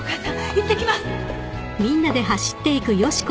いってきます！